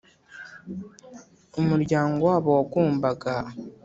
umuryango wabo wagombaga